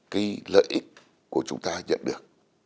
cái lợi ích của chúng ta nhận được